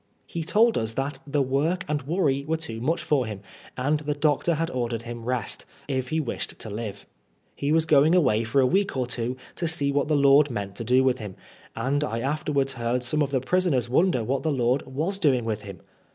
He told us that the work and worry were too much for him, and the doctor had ordered him rest, if he wished to live. He was going away for a week or two to see what the Lord meant to do with him ; and I afterwards heard some of the prisoners wonder what the Lord was doing with him.